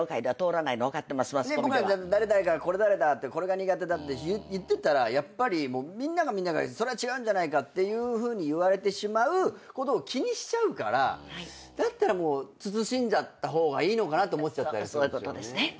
これ誰だってこれが苦手だって言ってたらやっぱりみんながそれは違うんじゃないかっていうふうに言われてしまうことを気にしちゃうからだったらもう慎んじゃった方がいいのかなと思っちゃったりするんですよね。